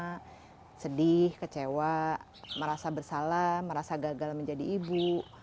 merasa sedih kecewa merasa bersalah merasa gagal menjadi ibu